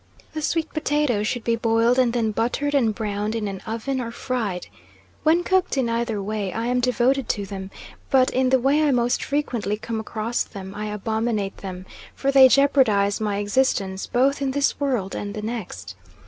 The sweet potato should be boiled, and then buttered and browned in an oven, or fried. When cooked in either way I am devoted to them, but in the way I most frequently come across them I abominate them, for they jeopardise my existence both in this world and the next.